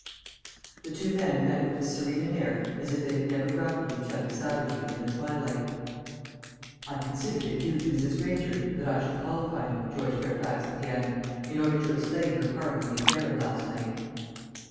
The two men met with as serene an air as if they had never grappled each other savagely in the twilight. "I considered it due to Mrs. Granger that I should call upon you," George Fairfax began, "in order to explain her part in the affair of last night."